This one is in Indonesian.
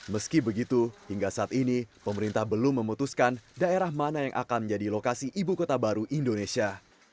meski begitu hingga saat ini pemerintah belum memutuskan daerah mana yang akan menjadi lokasi ibu kota baru indonesia